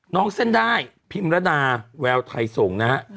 เส้นได้พิมรดาแววไทยส่งนะฮะ